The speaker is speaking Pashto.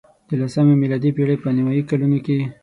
د لسمې میلادي پېړۍ په نیمايي کلونو کې.